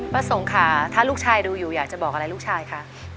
ประสงค์ค่ะถ้าลูกชายดูอยู่อยากจะบอกอะไรลูกชายคะ